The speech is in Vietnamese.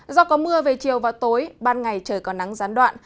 do có mưa về chiều và tối ban ngày trời có nắng gián đoạn